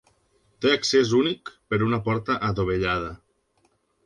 Té accés únic per una porta adovellada.